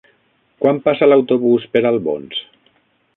Quan passa l'autobús per Albons?